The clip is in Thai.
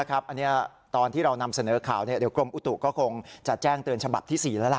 อันนี้ตอนที่เรานำเสนอข่าวเดี๋ยวกรมอุตุก็คงจะแจ้งเตือนฉบับที่๔แล้วล่ะ